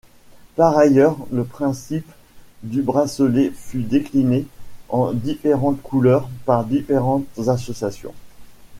Par ailleurs, le principe du bracelet fut décliné en différentes couleurs par différentes associations.